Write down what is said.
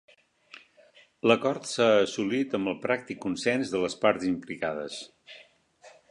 L'acord s'ha assolit amb el pràctic consens de les parts implicades.